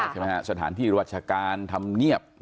ใช่ไหมคะสถานที่รวชการทำเงียบ